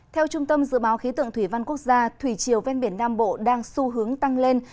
theo trung tâm dự báo khí tượng thủy văn quốc gia thủy chiều ven biển nam bộ đang xu hướng tăng lên